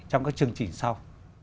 trong các chương trình sau